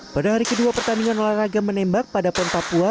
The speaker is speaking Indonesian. pada hari kedua pertandingan olahraga menembak pada pon papua